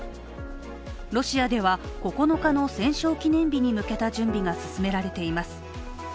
ロシアでは９日の戦勝記念日に向けた準備が進められています。